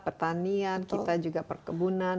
pertanian kita juga perkebunan